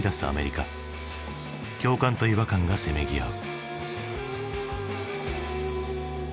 共感と違和感がせめぎ合う。